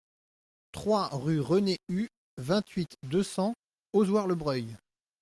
trois rue René Hue, vingt-huit, deux cents, Ozoir-le-Breuil